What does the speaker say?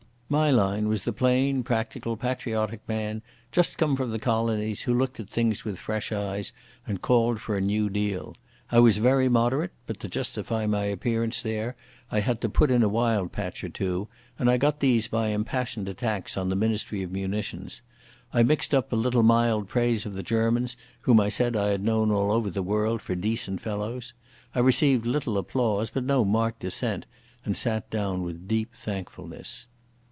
My line was the plain, practical, patriotic man, just come from the colonies, who looked at things with fresh eyes, and called for a new deal. I was very moderate, but to justify my appearance there I had to put in a wild patch or two, and I got these by impassioned attacks on the Ministry of Munitions. I mixed up a little mild praise of the Germans, whom I said I had known all over the world for decent fellows. I received little applause, but no marked dissent, and sat down with deep thankfulness.